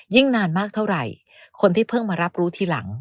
นานมากเท่าไหร่คนที่เพิ่งมารับรู้ทีหลัง